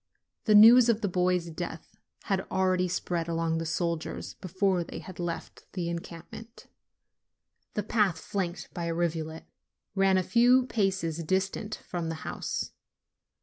The news of the boy's death had al THE POOR 53 ready spread among the soldiers before they left the encampment. The path, flanked by a rivulet, ran a few paces distant from the house.